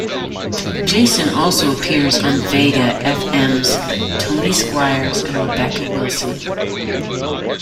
Jason also appears on vega fm's "Tony Squires & Rebecca Wilson".